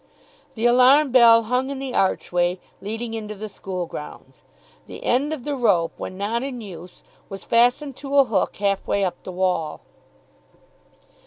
The alarm bell hung in the archway leading into the school grounds. The end of the rope, when not in use, was fastened to a hook half way up the wall.